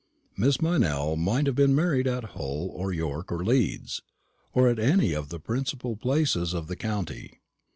Miss Meynell might have been married at Hull, or York, or Leeds, or at any of the principal places of the county.